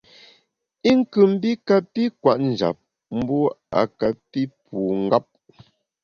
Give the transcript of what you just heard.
I nkù mbi kapi kwet njap, mbu a kapi pu ngap.